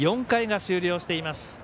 ４回が終了しています。